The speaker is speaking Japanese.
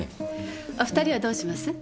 お２人はどうします？